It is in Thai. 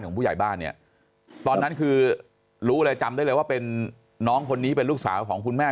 ผู้ใหญ่บ้านเนี่ยตอนนั้นคือรู้เลยจำได้เลยว่าเป็นน้องคนนี้เป็นลูกสาวของคุณแม่